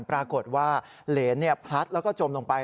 ปรากฏว่าเหรนพัดแล้วก็จมลงไป